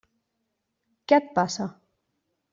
Què et passa?